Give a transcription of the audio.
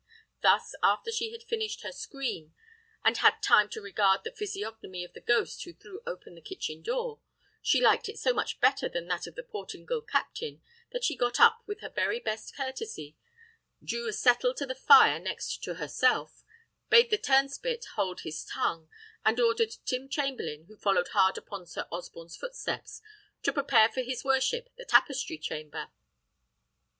Thus, after she had finished her scream, and had time to regard the physiognomy of the ghost who threw open the kitchen door, she liked it so much better than that of the Portingal captain, that she got up with her very best courtesy; drew a settle to the fire next to herself; bade the turnspit hold his tongue; and ordered Tim Chamberlain, who followed hard upon Sir Osborne's footsteps, to prepare for his worship the tapestry chamber.